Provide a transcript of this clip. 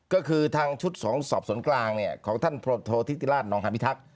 ก็คือทางชุดของสอบสวนกลางเนี่ยของท่านพลโทษธิติราชนองฮาพิทักษ์